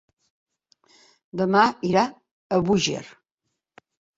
Demà irà a Búger.